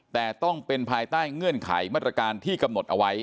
แต่ต้องเป็นภายใต้เงื่อนไขมาตรการที่กำหนดเอาไว้